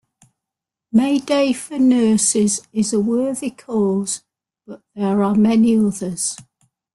Mayday for Nurses is a worthy cause, but there are many others.